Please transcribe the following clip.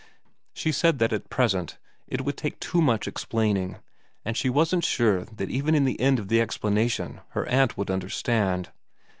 She said that at present it would take too much explaining, and she wasn't sure that even at the end of the explanation her aunt would understand.